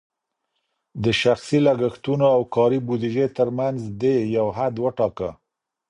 د شخصي لګښتونو او کاري بودیجې ترمنځ دې یو حد وټاکه.